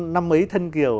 một mươi năm năm mấy thân kiều